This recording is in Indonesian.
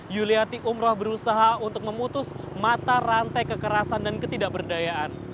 yuliati umroh berusaha untuk memutus mata rantai kekerasan dan ketidakberdayaan